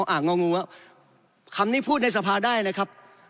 งองงว่าคำนี้พูดในสภาได้นะครับ